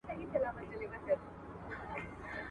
د رستمانو په نکلونو به ملنډي وهي